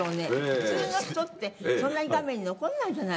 普通の人ってそんなに画面に残らないじゃないですか。